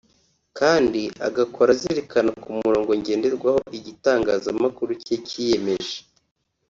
kandi agakora azirikana ku murongo ngenderwaho igitangazamakuru cye cyiyemeje